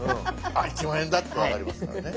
あっ１０，０００円だって分かりますからね。